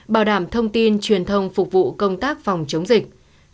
bảo đảm thông tin truyền thông phục vụ công tác phòng chống dịch